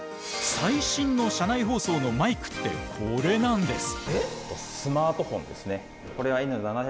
最新の車内放送のマイクってこれなんです。